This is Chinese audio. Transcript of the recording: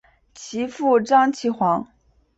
其父张其锽。